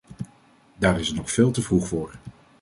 Daar is het nog veel te vroeg voor.